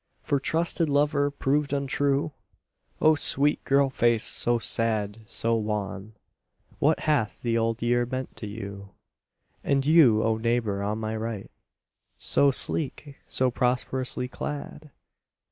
For trusted lover proved untrue? O sweet girl face, so sad, so wan What hath the Old Year meant to you? And you, O neighbour on my right So sleek, so prosperously clad!